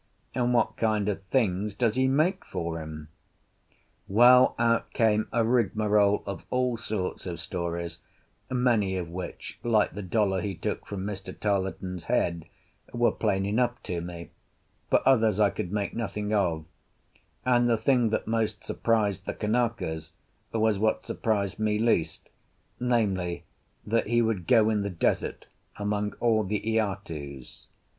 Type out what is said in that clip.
"And what kind of things does he make for him?" Well, out came a rigmarole of all sorts of stories, many of which (like the dollar he took from Mr. Tarleton's head) were plain enough to me, but others I could make nothing of; and the thing that most surprised the Kanakas was what surprised me least—namely, that he would go in the desert among all the aitus.